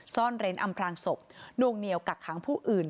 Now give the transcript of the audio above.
ซ่อนเร้นอำพลางศพนวงเหนียวกักขังผู้อื่น